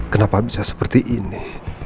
kenapa bisa seperti ini